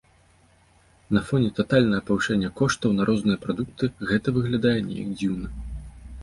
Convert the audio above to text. На фоне татальнага павышэння коштаў на розныя прадукты гэта выглядае неяк дзіўна.